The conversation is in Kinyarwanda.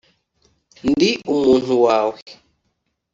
Ndi umuntu wawe.